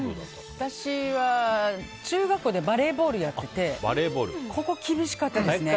私は中学でバレーボールをやっててここは厳しかったですね。